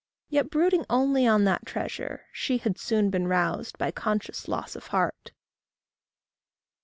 Yet, brooding only on that treasure, she Had soon been roused by conscious loss of heart.